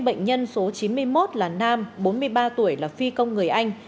bệnh nhân số chín mươi một là nam bốn mươi ba tuổi là phi công người anh